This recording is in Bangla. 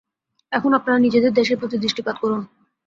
এখন আপনারা নিজেদের দেশের প্রতি দৃষ্টিপাত করুন।